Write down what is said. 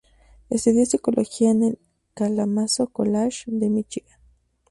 Estudió psicología en el Kalamazoo College de Míchigan.